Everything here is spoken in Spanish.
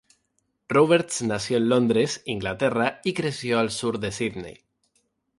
Roberts nació en Londres, Inglaterra, y creció al sur de Sídney.